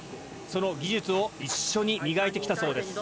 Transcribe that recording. その技術を一緒に磨いてきたそうです。